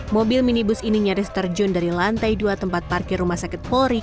mobil minibus ini nyaris terjun dari lantai dua tempat parkir rumah sakit polri